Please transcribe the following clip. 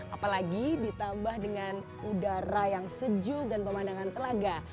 apalagi ditambah dengan udara yang sejuk dan pemandangan telaga